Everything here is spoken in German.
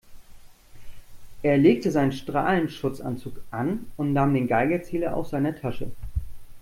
Er legte seinen Strahlenschutzanzug an und nahm den Geigerzähler aus seiner Tasche.